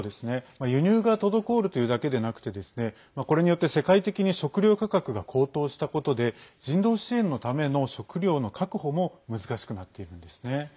輸入が滞るというだけでなくてこれによって世界的に食料価格が高騰したことで人道支援のための食糧の確保も難しくなっているんですね。